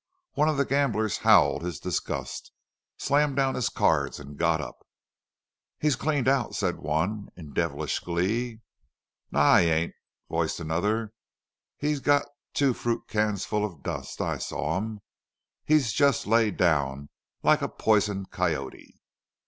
One of the gamblers howled his disgust, slammed down his cards, and got up. "He's cleaned out," said one, in devilish glee. "Naw, he ain't," voiced another. "He's got two fruit cans full of dust. I saw 'em.... He's just lay down like a poisoned coyote."